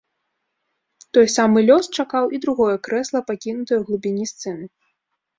Той самы лёс чакаў і другое крэсла, пакінутае ў глыбіні сцэны.